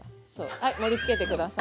はい盛りつけて下さい。